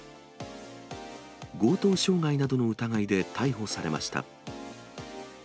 強盗傷害などの疑いで逮捕されました。